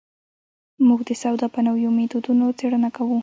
موږ د سودا په نویو مېتودونو څېړنه کوو.